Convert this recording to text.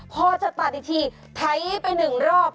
พอจะตัดอีกทีไถไปหนึ่งรอบ